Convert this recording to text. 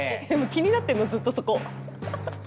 気になってるのずっとそこ。